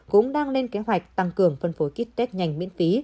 cũng đang lên kế hoạch tăng cường phân phối kit test nhanh miễn phí